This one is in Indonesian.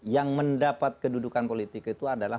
yang mendapat kedudukan politik itu adalah